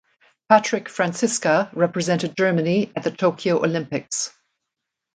Patrick Franziska represented Germany at the Tokyo Olympics.